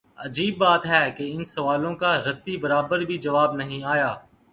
عجیب بات ہے کہ ان سوالوں کا رتی برابر بھی جواب نہیںآیا۔